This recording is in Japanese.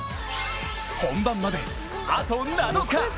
本番まであと７日！